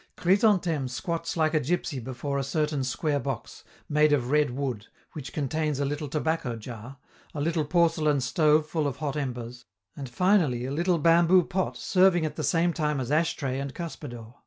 Chrysantheme squats like a gipsy before a certain square box, made of red wood, which contains a little tobacco jar, a little porcelain stove full of hot embers, and finally a little bamboo pot serving at the same time as ash tray and cuspidor.